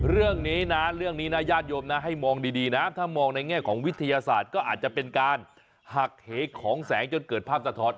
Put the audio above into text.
เรื่องนี้นะเรื่องนี้นะญาติโยมนะให้มองดีนะถ้ามองในแง่ของวิทยาศาสตร์ก็อาจจะเป็นการหักเหของแสงจนเกิดภาพสะท้อน